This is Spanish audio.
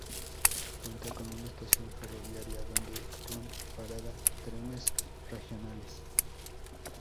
Cuenta con una estación ferroviaria donde efectúan parada trenes regionales.